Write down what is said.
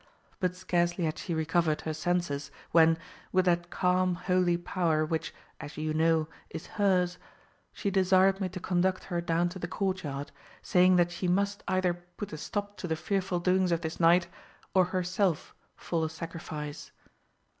But scarcely had she recovered her senses, when, with that calm holy power which, as you know, is hers, she desired me to conduct her down to the court yard, saying that she must either put a stop to the fearful doings of this night, or herself fall a sacrifice.